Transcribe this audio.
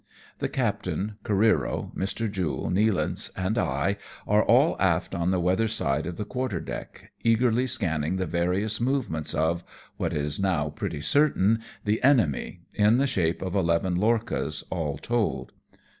The captain, Oareero, Mr. Jule, Nealance, and I, are all aft on the weather side of the quarter deck, eagerly scanning the various movements of (what is now pretty certain) the enemy, in the shape of eleven lorchas all told.